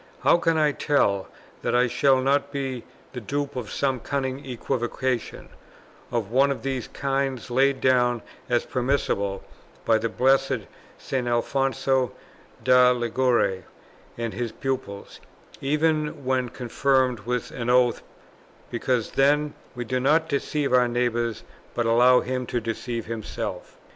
How can I tell, that I shall not be the dupe of some cunning equivocation, of one of the three kinds laid down as permissible by the blessed St. Alfonso da Liguori and his pupils, even when confirmed with an oath, because 'then we do not deceive our neighbour, but allow him to deceive himself?'